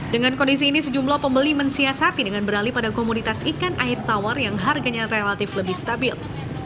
dengan kondisi ini sejumlah pembeli mensiasati dengan beralih pada komoditas ikan air tawar yang harganya relatif lebih stabil